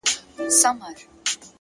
نیک چلند د دوستۍ فضا پیاوړې کوي,